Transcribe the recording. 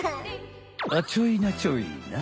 あっちょいなちょいな！